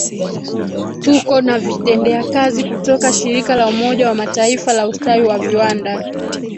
Tuko na Vitendea kazi kutoka Shirika la Umoja wa Mataifa la Ustawi wa Viwanda